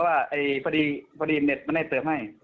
เพราะว่าเม้นท์ได้เติมให้